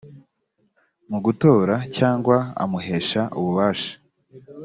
mu gutora cyangwa amuhesha ububasha